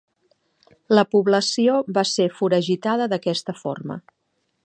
La població va ser foragitada d'aquesta forma.